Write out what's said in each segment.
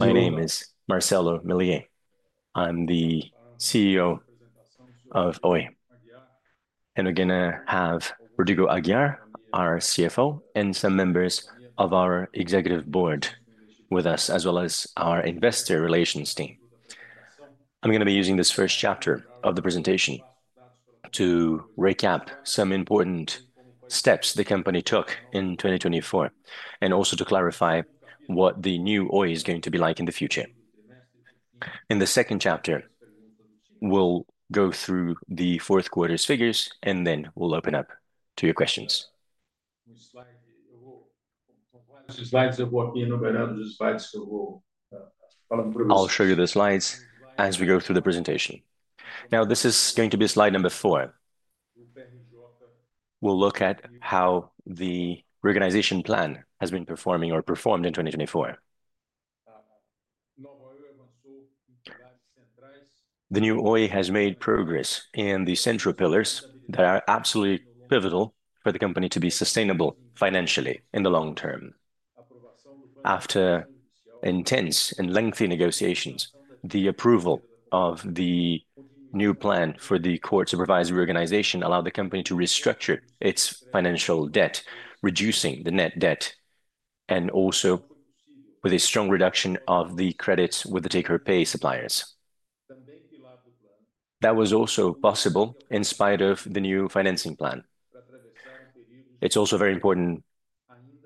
My name is Marcelo Milliet. I'm the CEO of Oi. We are going to have Rodrigo Aguilar, our CFO, and some members of our executive board with us, as well as our investor relations team. I'm going to be using this first chapter of the presentation to recap some important steps the company took in 2024, and also to clarify what the new Oi is going to be like in the future. In the second chapter, we'll go through the fourth quarter's figures, and then we'll open up to your questions. I'll show you the slides as we go through the presentation. Now, this is going to be slide number four. We'll look at how the reorganization plan has been performing or performed in 2024. The new Oi has made progress in the central pillars that are absolutely pivotal for the company to be sustainable financially in the long term. After intense and lengthy negotiations, the approval of the new plan for the court-supervised reorganization allowed the company to restructure its financial debt, reducing the net debt, and also with a strong reduction of the credits with the take-or-pay suppliers. That was also possible in spite of the new financing plan. It's also a very important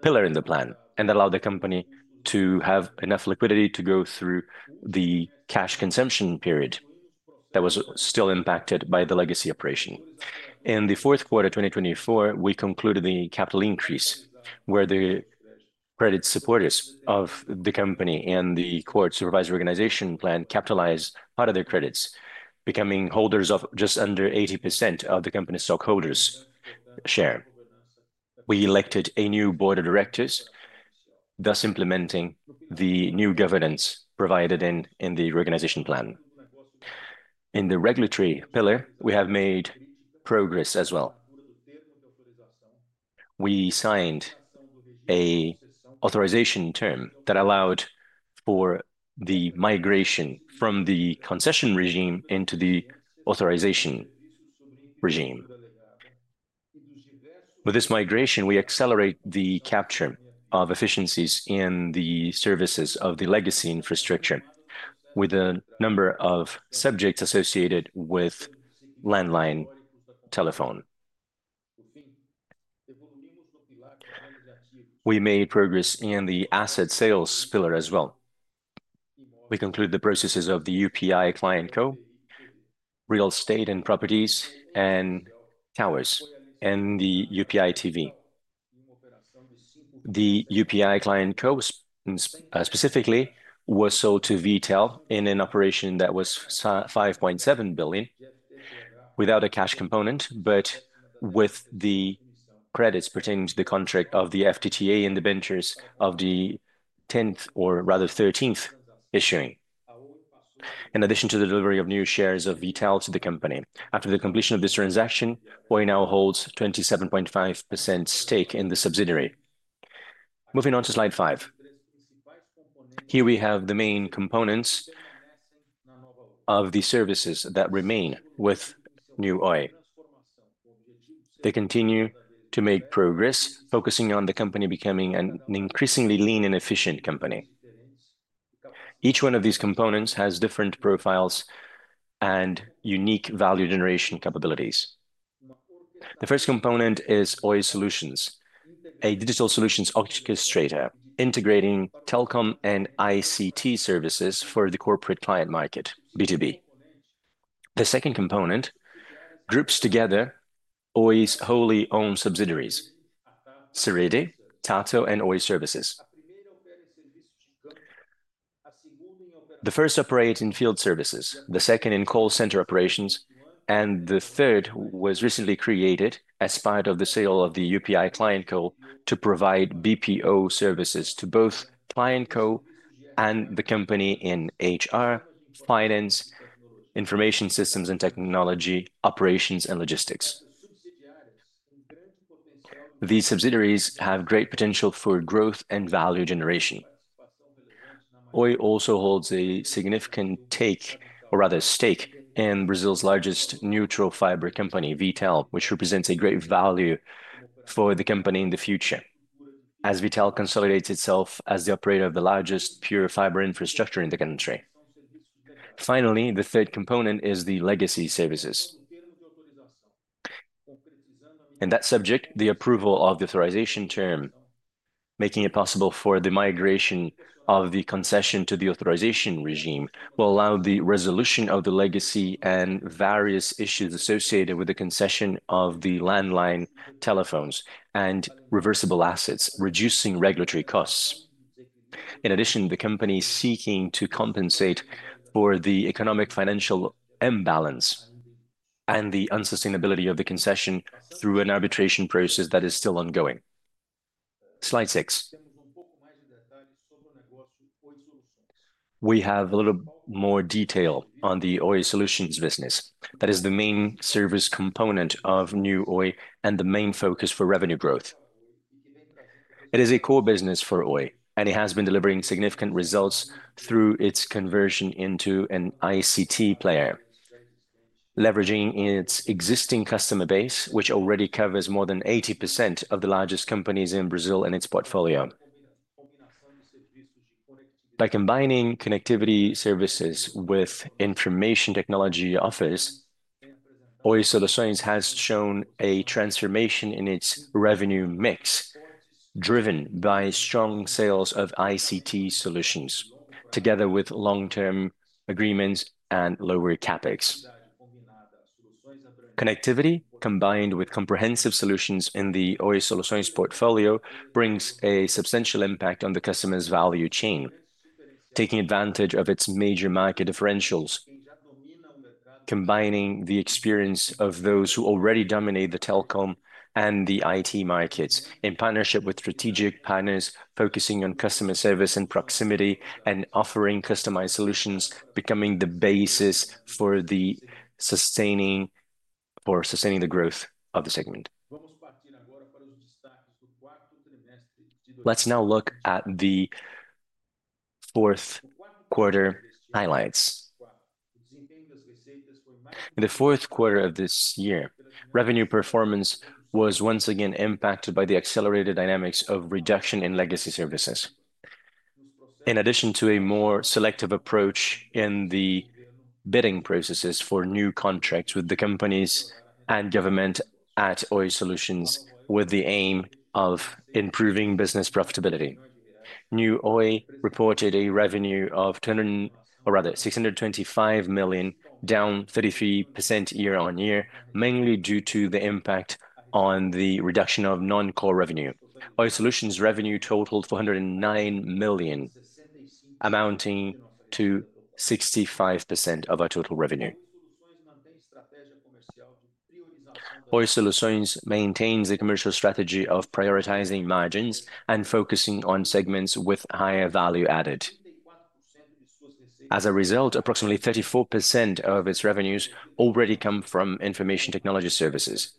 pillar in the plan and allowed the company to have enough liquidity to go through the cash consumption period that was still impacted by the legacy operation. In the fourth quarter of 2024, we concluded the capital increase, where the credit supporters of the company and the court-supervised reorganization plan capitalized out of their credits, becoming holders of just under 80% of the company's stockholders' share. We elected a new board of directors, thus implementing the new governance provided in the reorganization plan. In the regulatory pillar, we have made progress as well. We signed an authorization term that allowed for the migration from the concession regime into the authorization regime. With this migration, we accelerate the capture of efficiencies in the services of the legacy infrastructure, with a number of subjects associated with landline telephone. We made progress in the asset sales pillar as well. We concluded the processes of the UPI Client Code, real estate and properties, and towers, and the UPI TV. The UPI ClientCo specifically was sold to V.tal in an operation that was 5.7 billion, without a cash component, but with the credits pertaining to the contract of the FTTH and the debentures of the 13th issuing, in addition to the delivery of new shares of V.tal to the company. After the completion of this transaction, Oi now holds a 27.5% stake in the subsidiary. Moving on to slide five. Here we have the main components of the services that remain with new Oi. They continue to make progress, focusing on the company becoming an increasingly lean and efficient company. Each one of these components has different profiles and unique value generation capabilities. The first component is Oi Solutions, a digital solutions orchestrator integrating telecom and ICT services for the corporate client market, B2B. The second component groups together Oi's wholly owned subsidiaries, Serede, Tahto, and Oi Services. The first operates in field services, the second in call center operations, and the third was recently created as part of the sale of the UPI Client Code to provide BPO services to both Client Code and the company in HR, finance, information systems, and technology operations and logistics. These subsidiaries have great potential for growth and value generation. Oi also holds a significant stake in Brazil's largest neutral fiber company, V.tal, which represents a great value for the company in the future, as V.tal consolidates itself as the operator of the largest pure fiber infrastructure in the country. Finally, the third component is the legacy services. In that subject, the approval of the authorization term, making it possible for the migration of the concession to the authorization regime, will allow the resolution of the legacy and various issues associated with the concession of the landline telephones and reversible assets, reducing regulatory costs. In addition, the company is seeking to compensate for the economic financial imbalance and the unsustainability of the concession through an arbitration process that is still ongoing. Slide six. We have a little more detail on the Oi Solutions business. That is the main service component of new Oi and the main focus for revenue growth. It is a core business for Oi, and it has been delivering significant results through its conversion into an ICT player, leveraging its existing customer base, which already covers more than 80% of the largest companies in Brazil in its portfolio. By combining connectivity services with information technology offers, Oi Solutions has shown a transformation in its revenue mix, driven by strong sales of ICT solutions, together with long-term agreements and lower CapEx. Connectivity, combined with comprehensive solutions in the Oi Solutions portfolio, brings a substantial impact on the customer's value chain, taking advantage of its major market differentials, combining the experience of those who already dominate the telecom and the IT markets in partnership with strategic partners, focusing on customer service and proximity, and offering customized solutions, becoming the basis for sustaining the growth of the segment. Let's now look at the fourth quarter highlights. In the fourth quarter of this year, revenue performance was once again impacted by the accelerated dynamics of reduction in legacy services. In addition to a more selective approach in the bidding processes for new contracts with the companies and government at Oi Solutions, with the aim of improving business profitability, new Oi reported a revenue of 625 million, down 33% yea- on-year, mainly due to the impact on the reduction of non-core revenue. Oi Solutions' revenue totaled 409 million, amounting to 65% of our total revenue. Oi Solutions maintains a commercial strategy of prioritizing margins and focusing on segments with higher value added. As a result, approximately 34% of its revenues already come from information technology services,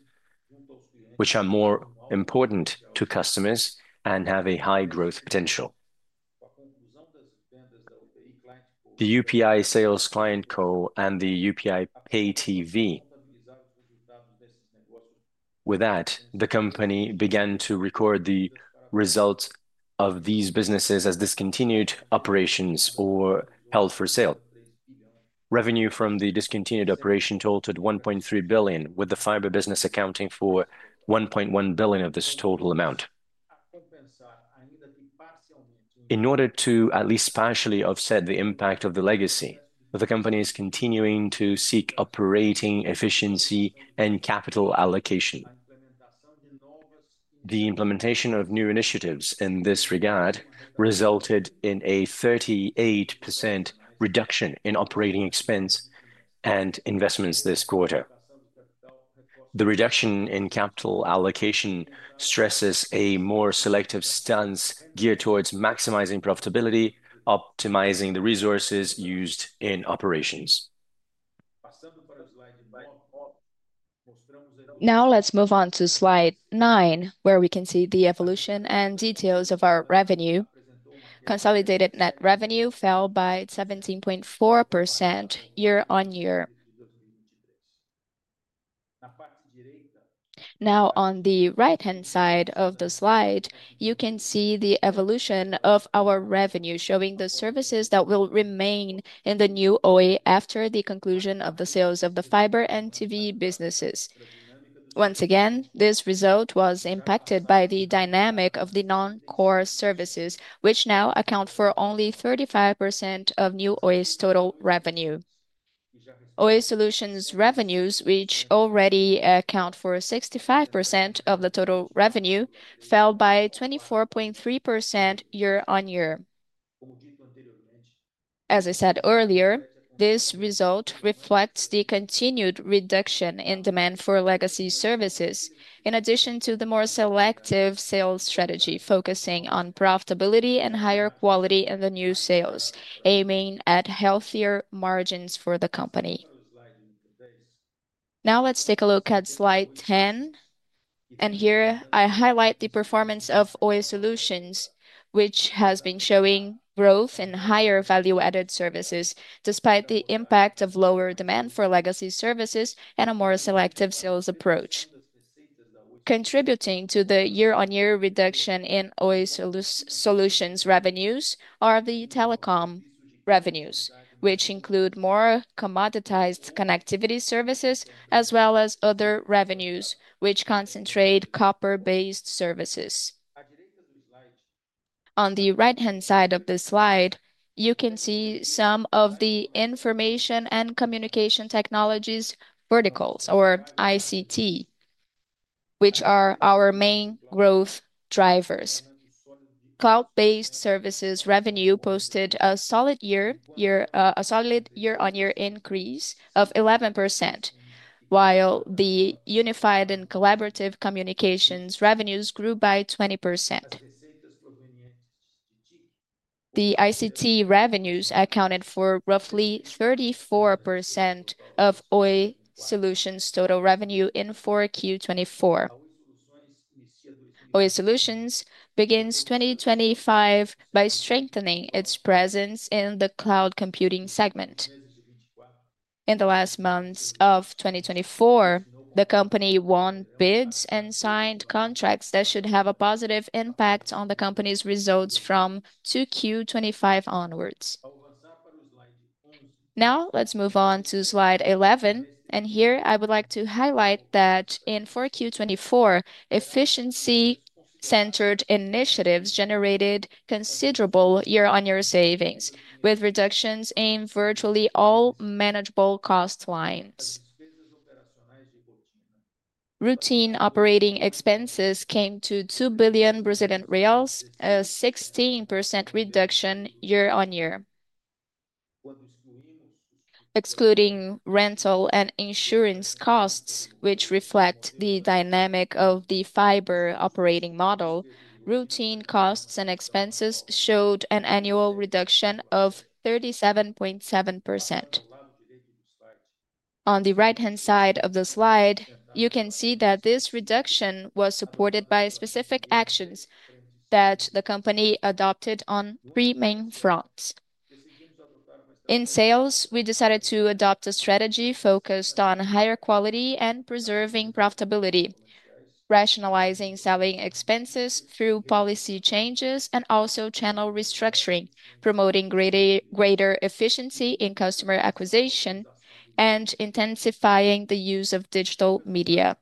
which are more important to customers and have a high growth potential. The UPI Client Code and the UPI TV. With that, the company began to record the results of these businesses as discontinued operations or held for sale. Revenue from the discontinued operation totaled 1.3 billion, with the fiber business accounting for 1.1 billion of this total amount. In order to at least partially offset the impact of the legacy, the company is continuing to seek operating efficiency and capital allocation. The implementation of new initiatives in this regard resulted in a 38% reduction in operating expense and investments this quarter. The reduction in capital allocation stresses a more selective stance geared towards maximizing profitability, optimizing the resources used in operations. Now let's move on to slide nine, where we can see the evolution and details of our revenue. Consolidated net revenue fell by 17.4% year-on-year. Now, on the right-hand side of the slide, you can see the evolution of our revenue, showing the services that will remain in the new Oi after the conclusion of the sales of the fiber and TV businesses. Once again, this result was impacted by the dynamic of the non-core services, which now account for only 35% of new Oi's total revenue. Oi Solutions' revenues, which already account for 65% of the total revenue, fell by 24.3% year-on-year. As I said earlier, this result reflects the continued reduction in demand for legacy services, in addition to the more selective sales strategy focusing on profitability and higher quality in the new sales, aiming at healthier margins for the company. Now let's take a look at slide 10. Here I highlight the performance of Oi Solutions, which has been showing growth in higher value-added services, despite the impact of lower demand for legacy services and a more selective sales approach. Contributing to the year-on-year reduction in Oi Solutions' revenues are the telecom revenues, which include more commoditized connectivity services, as well as other revenues, which concentrate copper-based services. On the right-hand side of the slide, you can see some of the information and communication technologies verticals, or ICT, which are our main growth drivers. Based services revenue posted a solid year-on-year increase of 11%, while the unified and collaborative communications revenues grew by 20%. The ICT revenues accounted for roughly 34% of Oi Solutions' total revenue in 4Q 2024. Oi Solutions begins 2025 by strengthening its presence in the cloud computing segment. In the last months of 2024, the company won bids and signed contracts that should have a positive impact on the company's results from 2Q 2025 onwards. Now let's move on to slide 11. Here I would like to highlight that in 4Q 2024, efficiency-centered initiatives generated considerable year-on-year savings, with reductions in virtually all manageable cost lines. Routine operating expenses came to 2 billion Brazilian reais, a 16% reduction year-on-year. Excluding rental and insurance costs, which reflect the dynamic of the fiber operating model, routine costs and expenses showed an annual reduction of 37.7%. On the right-hand side of the slide, you can see that this reduction was supported by specific actions that the company adopted on three main fronts. In sales, we decided to adopt a strategy focused on higher quality and preserving profitability, rationalizing selling expenses through policy changes and also channel restructuring, promoting greater efficiency in customer acquisition and intensifying the use of digital media.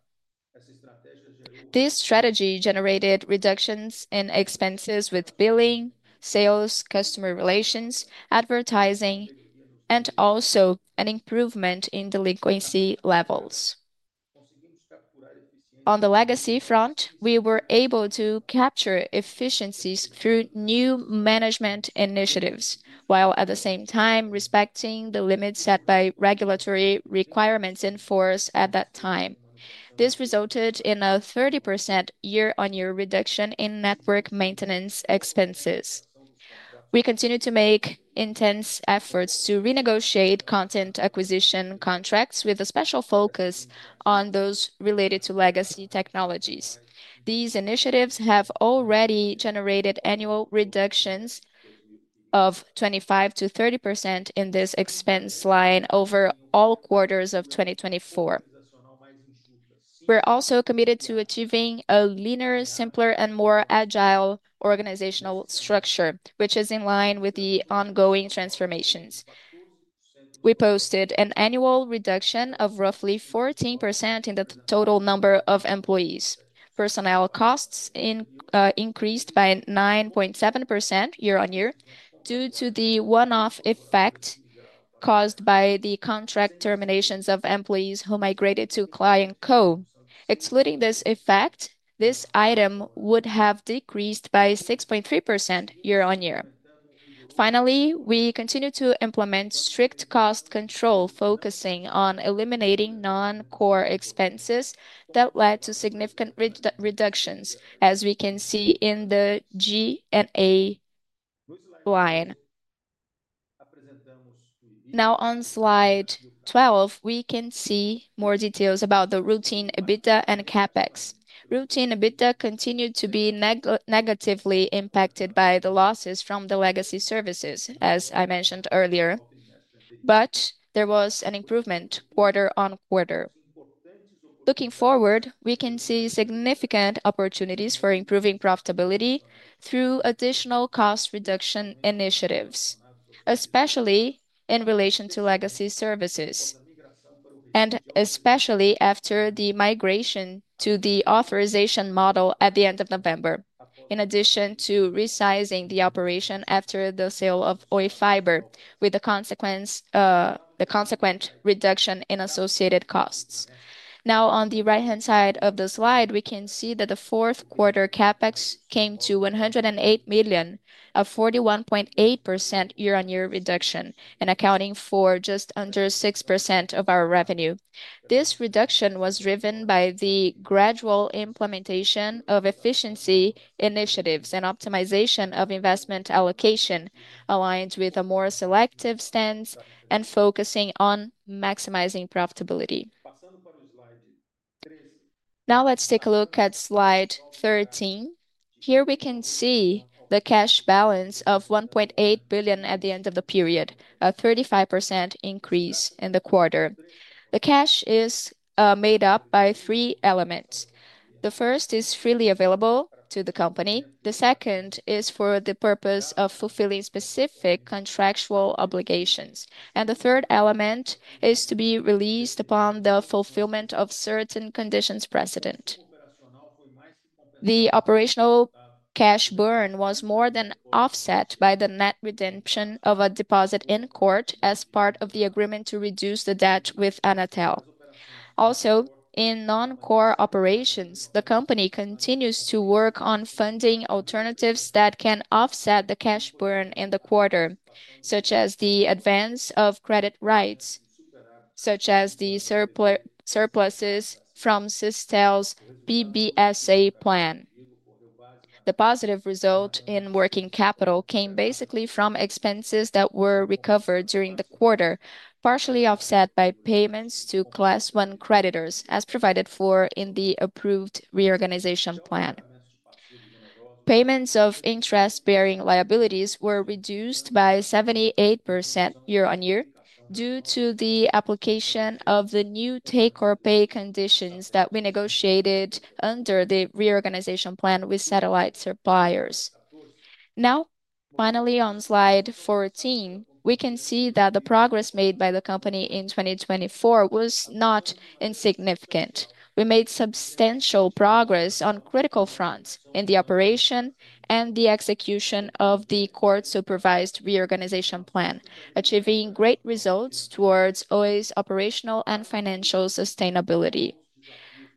This strategy generated reductions in expenses with billing, sales, customer relations, advertising, and also an improvement in delinquency levels. On the legacy front, we were able to capture efficiencies through new management initiatives, while at the same time respecting the limits set by regulatory requirements in force at that time. This resulted in a 30% year-on-year reduction in network maintenance expenses. We continue to make intense efforts to renegotiate content acquisition contracts with a special focus on those related to legacy technologies. These initiatives have already generated annual reductions of 25%-30% in this expense line over all quarters of 2024. We're also committed to achieving a leaner, simpler, and more agile organizational structure, which is in line with the ongoing transformations. We posted an annual reduction of roughly 14% in the total number of employees. Personnel costs increased by 9.7% year-on-year due to the one-off effect caused by the contract terminations of employees who migrated to client code. Excluding this effect, this item would have decreased by 6.3% year-on-year. Finally, we continue to implement strict cost control, focusing on eliminating non-core expenses that led to significant reductions, as we can see in the G&A line. Now, on slide 12, we can see more details about the routine EBITDA and CapEx. Routine EBITDA continued to be negatively impacted by the losses from the legacy services, as I mentioned earlier, but there was an improvement quarter-on-quarter. Looking forward, we can see significant opportunities for improving profitability through additional cost reduction initiatives, especially in relation to legacy services, and especially after the migration to the authorization model at the end of November, in addition to resizing the operation after the sale of Oi Fiber, with the consequent reduction in associated costs. Now, on the right-hand side of the slide, we can see that the fourth quarter CapEx came to 108 million, a 41.8% year-on-year reduction, and accounting for just under 6% of our revenue. This reduction was driven by the gradual implementation of efficiency initiatives and optimization of investment allocation, aligned with a more selective stance and focusing on maximizing profitability. Now, let's take a look at slide 13. Here we can see the cash balance of 1.8 billion at the end of the period, a 35% increase in the quarter. The cash is made up by three elements. The first is freely available to the company. The second is for the purpose of fulfilling specific contractual obligations. The third element is to be released upon the fulfillment of certain conditions precedent. The operational cash burn was more than offset by the net redemption of a deposit in court as part of the agreement to reduce the debt with ANATEL. Also, in non-core operations, the company continues to work on funding alternatives that can offset the cash burn in the quarter, such as the advance of credit rights, such as the surpluses from Sistel's PBS-A plan. The positive result in working capital came basically from expenses that were recovered during the quarter, partially offset by payments to Class I creditors, as provided for in the approved reorganization plan. Payments of interest-bearing liabilities were reduced by 78% year-on-year due to the application of the new take-or-pay conditions that we negotiated under the reorganization plan with satellite suppliers. Now, finally, on slide 14, we can see that the progress made by the company in 2024 was not insignificant. We made substantial progress on critical fronts in the operation and the execution of the court-supervised reorganization plan, achieving great results towards Oi's operational and financial sustainability.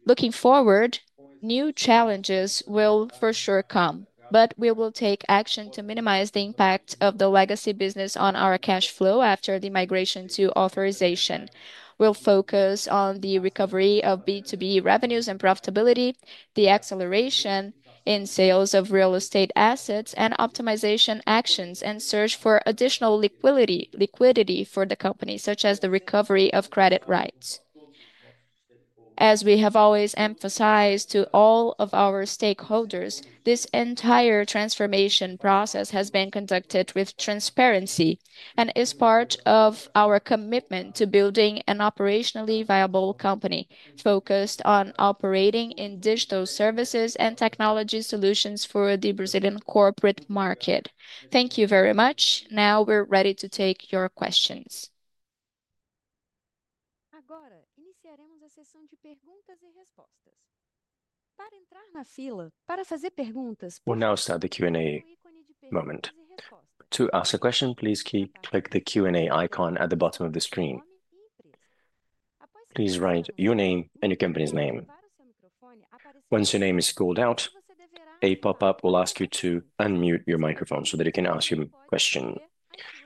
Looking forward, new challenges will for sure come, but we will take action to minimize the impact of the legacy business on our cash flow after the migration to authorization. We'll focus on the recovery of B2B revenues and profitability, the acceleration in sales of real estate assets, and optimization actions and search for additional liquidity for the company, such as the recovery of credit rights. As we have always emphasized to all of our stakeholders, this entire transformation process has been conducted with transparency and is part of our commitment to building an operationally viable company focused on operating in digital services and technology solutions for the Brazilian corporate market. Thank you very much. Now we're ready to take your questions. Agora, iniciaremos a sessão de perguntas e respostas. Para entrar na fila, para fazer perguntas. We'll now start the Q&A moment. To ask a question, please click the Q&A icon at the bottom of the screen. Please write your name and your company's name. Once your name is called out, a pop-up will ask you to unmute your microphone so that it can ask you a question.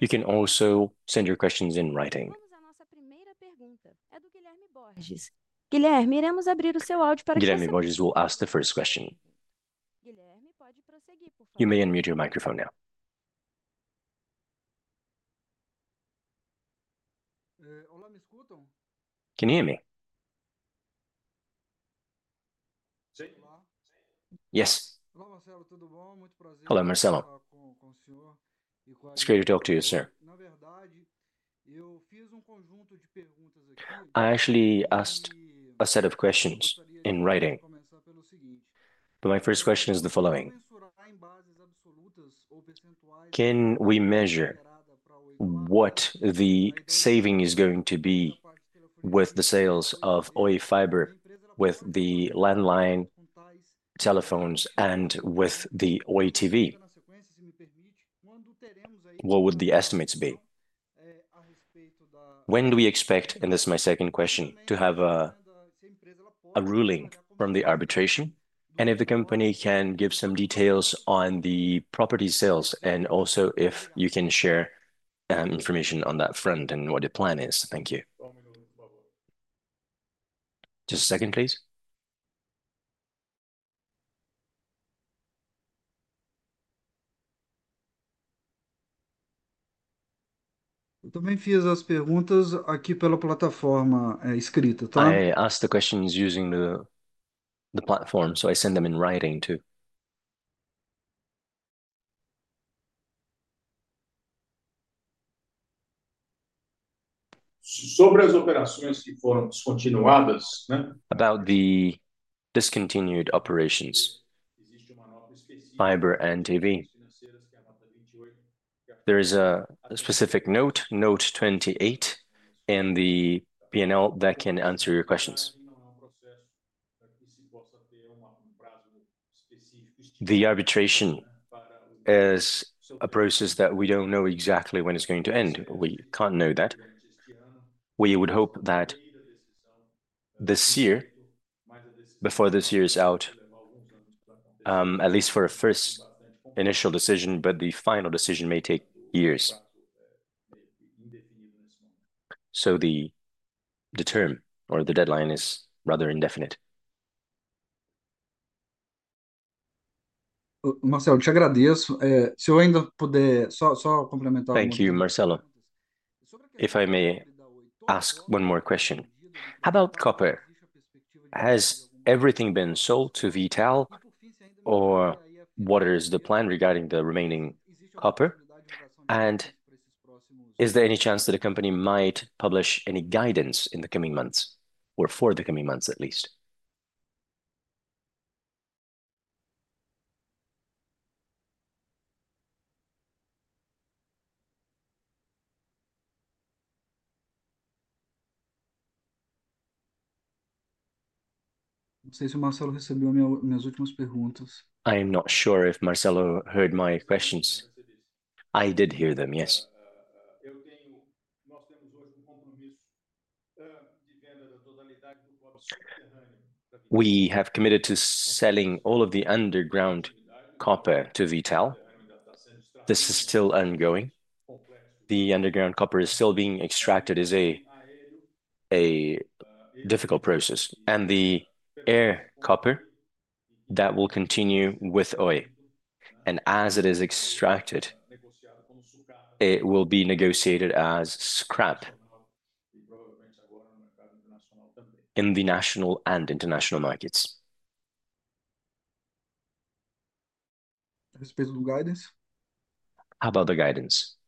You can also send your questions in writing. A nossa primeira pergunta é do Guilherme Borges. Guilherme, iremos abrir o seu áudio para que você... Guilherme Borges will ask the first question. Guilherme, pode prosseguir, por favor. You may unmute your microphone now. Olá, me escutam? Can you hear me? Yes. Olá, Marcelo, tudo bom? Muito prazer. Hello, Marcelo. It's great to talk to you, sir. Na verdade, eu fiz conjunto de perguntas aqui. I actually asked a set of questions in writing. Vou começar pelo seguinte. My first question is the following. Em bases absolutas ou percentuais, can we measure what the saving is going to be with the sales of Oi Fiber, with the landline, telephones, and with the Oi TV? What would the estimates be? When do we expect, and this is my second question, to have a ruling from the arbitration? If the company can give some details on the property sales, and also if you can share information on that front and what the plan is. Thank you. Just a second, please. Também fiz as perguntas aqui pela plataforma escrita, tá? I asked the questions using the platform, so I send them in writing too. Sobre as operações que foram descontinuadas, né? About the discontinued operations. Fiber and TV. There is a specific note, note 28, in the P&L that can answer your questions. The arbitration is a process that we don't know exactly when it's going to end. We can't know that. We would hope that this year, before this year is out, at least for a first initial decision, but the final decision may take years. The term or the deadline is rather indefinite. Marcelo, te agradeço. Se eu ainda puder, só complementar pouco. Thank you, Marcelo. If I may ask one more question. How about copper? Has everything been sold to V.tal or what is the plan regarding the remaining copper? And is there any chance that a company might publish any guidance in the coming months, or for the coming months at least? Não sei se o Marcelo recebeu minhas últimas perguntas. I'm not sure if Marcelo heard my questions. I did hear them, yes. Nós temos hoje compromisso de venda da totalidade do próprio subterrâneo. We have committed to selling all of the underground copper to V.tal. This is still ongoing. The underground copper is still being extracted. It is a difficult process. The air copper that will continue with Oi, as it is extracted, will be negotiated as scrap in the national and international markets. A respeito do guidance? How about the guidance? Com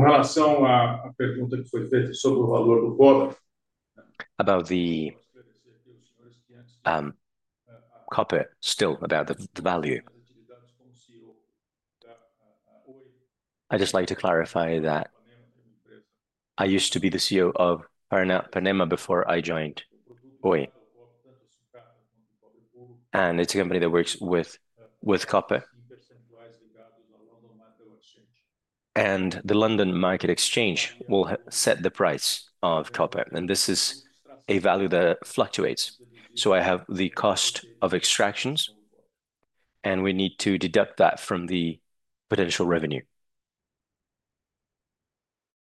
relação à pergunta que foi feita sobre o valor do cobre. About the copper still, about the value. I'd just like to clarify that I used to be the CEO of Paranapanema before I joined Oi. It is a company that works with copper. The London Metal Exchange will set the price of copper. This is a value that fluctuates. I have the cost of extractions, and we need to deduct that from the potential revenue.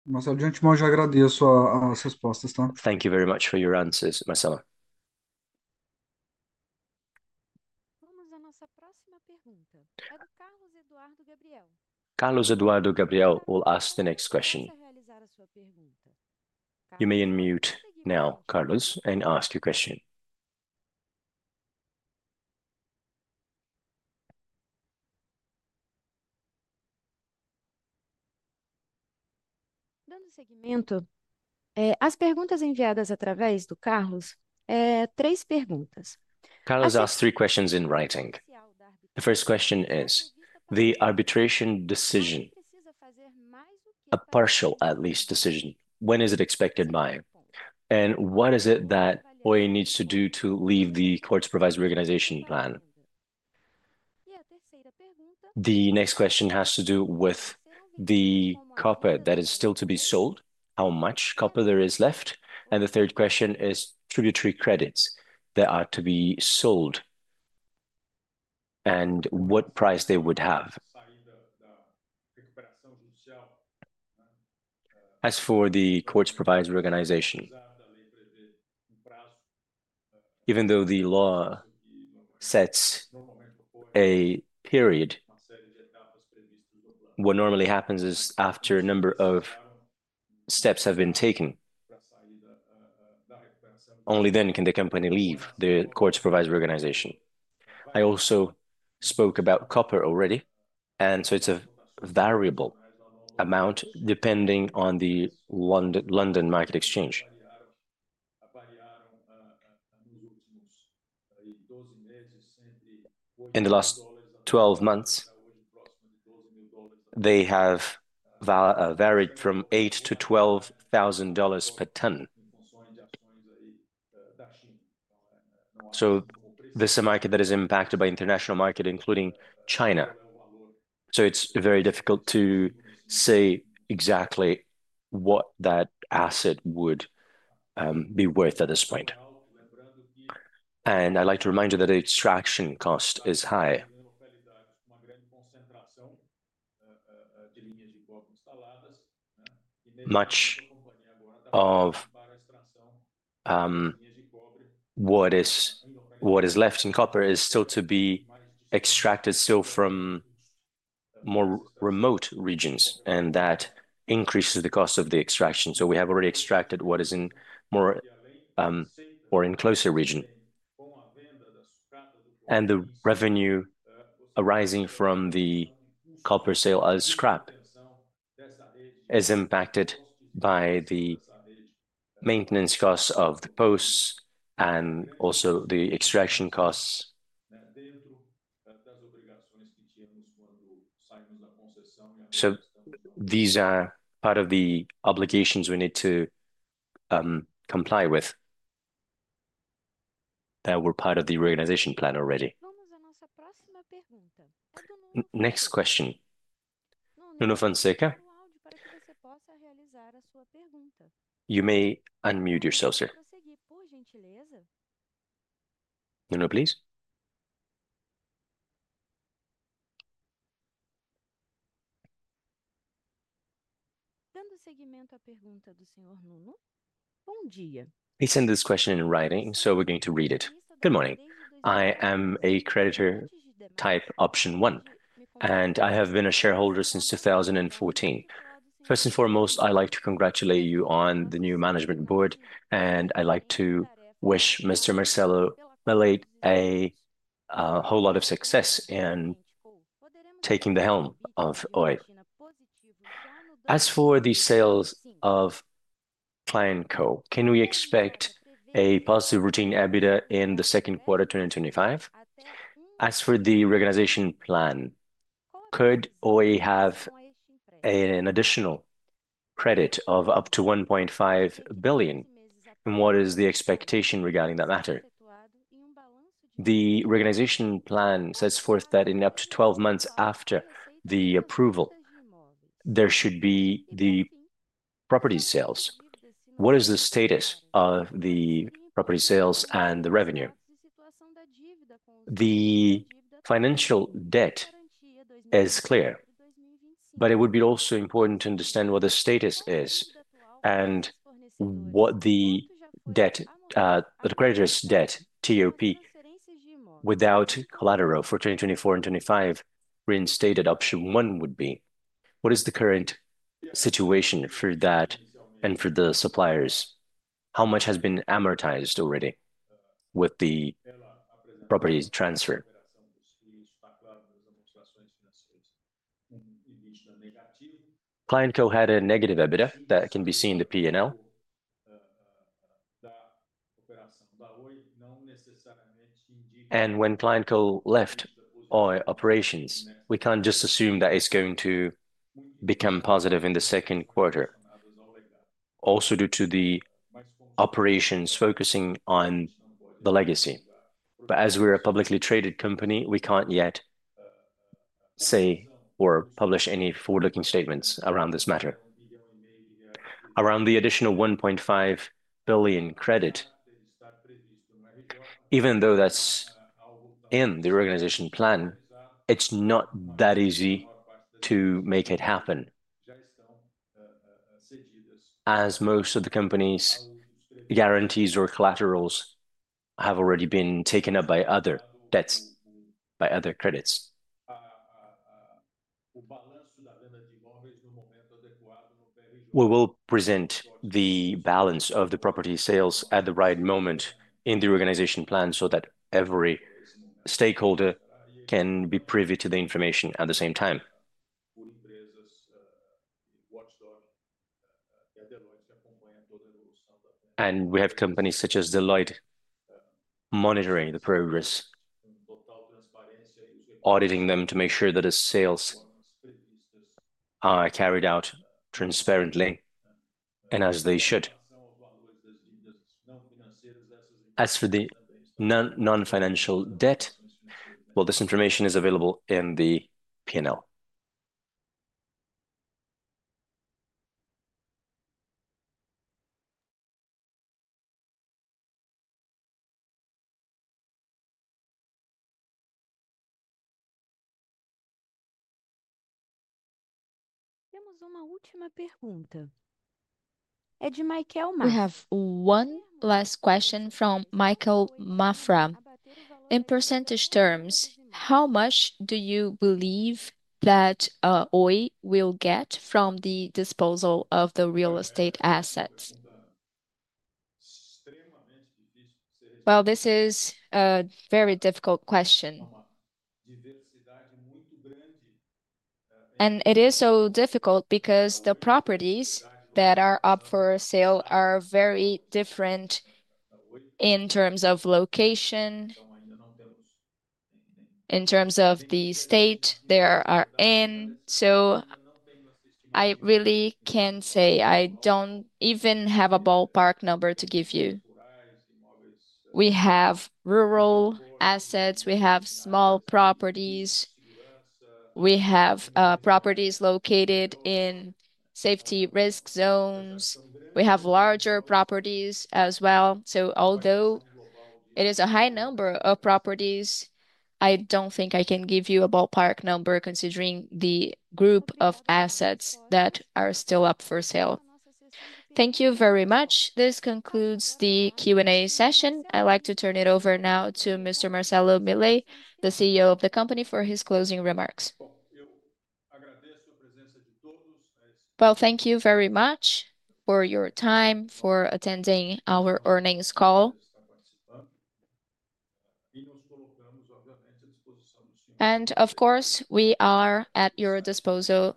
Marcelo, de antemão, já agradeço as respostas, tá? Thank you very much for your answers, Marcelo. Vamos à nossa próxima pergunta. É do Carlos Eduardo Gabriel. Carlos Eduardo Gabriel will ask the next question. Quem quer realizar a sua pergunta? You may unmute now, Carlos, and ask your question. Dando seguimento, as perguntas enviadas através do Carlos são três perguntas. Carlos asked three questions in writing. The first question is: the arbitration decision, a partial at least decision, when is it expected by? What is it that Oi needs to do to leave the court-supervised reorganization plan? E a terceira pergunta? The next question has to do with the copper that is still to be sold, how much copper there is left. The third question is tributary credits that are to be sold and what price they would have. As for the court-supervised reorganization, even though the law sets a period, what normally happens is after a number of steps have been taken, only then can the company leave the court-supervised reorganization. I also spoke about copper already, and so it's a variable amount depending on the London Metal Exchange. In the last 12 months, they have varied from $8,000-$12,000 per ton. This is a market that is impacted by the international market, including China. It is very difficult to say exactly what that asset would be worth at this point. I'd like to remind you that the extraction cost is high. Much of what is left in copper is still to be extracted from more remote regions, and that increases the cost of the extraction. We have already extracted what is in more or in closer region. The revenue arising from the copper sale as scrap is impacted by the maintenance costs of the posts and also the extraction costs. These are part of the obligations we need to comply with that were part of the reorganization plan already. Vamos à nossa próxima pergunta. Next question. Nuno Fonseca. Parece que você possa realizar a sua pergunta. You may unmute yourself, sir. Pode prosseguir, por gentileza. Nuno, please. Dando seguimento à pergunta do senhor Nuno. Good morning. He sent this question in writing, so we're going to read it. Good morning. I am a creditor type Option 1, and I have been a shareholder since 2014. First and foremost, I'd like to congratulate you on the new management board, and I'd like to wish Mr. Marcelo Milliet a whole lot of success in taking the helm of Oi. As for the sales of ClientCo, can we expect a positive routine EBITDA in the second quarter 2025? As for the reorganization plan, could Oi have an additional credit of up to 1.5 billion, and what is the expectation regarding that matter? The reorganization plan sets forth that in up to 12 months after the approval, there should be the property sales. What is the status of the property sales and the revenue? The financial debt is clear, but it would be also important to understand what the status is and what the debt, the creditor's debt, TOP, without collateral for 2024 and 2025, reinstated Option 1 would be. What is the current situation for that and for the suppliers? How much has been amortized already with the property transfer? ClientCo had a negative EBITDA that can be seen in the P&L. When ClientCo left Oi Operations, we can't just assume that it's going to become positive in the second quarter, also due to the operations focusing on the legacy. As we're a publicly traded company, we can't yet say or publish any forward-looking statements around this matter. Around the additional 1.5 billion credit, even though that's in the reorganization plan, it's not that easy to make it happen, as most of the company's guarantees or collaterals have already been taken up by other debts, by other credits. We will present the balance of the property sales at the right moment in the reorganization plan so that every stakeholder can be privy to the information at the same time. We have companies such as Deloitte monitoring the progress, auditing them to make sure that the sales are carried out transparently and as they should. As for the non-financial debt, this information is available in the P&L. Temos uma última pergunta. It is from Michael Maffra. We have one last question from Michael Maffra. In percentage terms, how much do you believe that Oi will get from the disposal of the real estate assets? This is a very difficult question. It is so difficult because the properties that are up for sale are very different in terms of location, in terms of the state they are in. I really can't say. I don't even have a ballpark number to give you. We have rural assets. We have small properties. We have properties located in safety risk zones. We have larger properties as well. Although it is a high number of properties, I do not think I can give you a ballpark number considering the group of assets that are still up for sale. Thank you very much. This concludes the Q&A session. I would like to turn it over now to Mr. Marcelo Milliet, the CEO of the company, for his closing remarks. Thank you very much for your time for attending our earnings call. Of course, we are at your disposal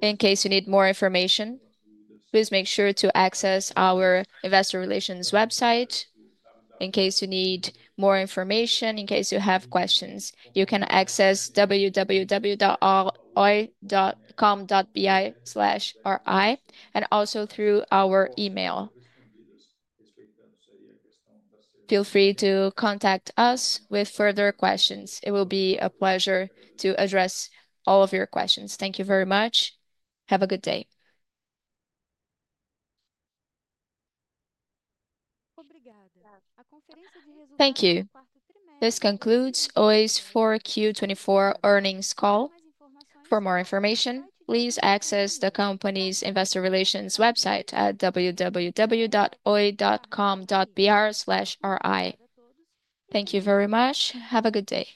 in case you need more information. Please make sure to access our investor relations website. In case you need more information, in case you have questions, you can access www.oi.com.br/ri and also through our email. Feel free to contact us with further questions. It will be a pleasure to address all of your questions. Thank you very much. Have a good day. Obrigada. A conferência de resultados. Thank you. This concludes Oi's 4Q24 Earnings Call. For more information, please access the company's investor relations website at www.oi.com.br/ri. Thank you very much. Have a good day.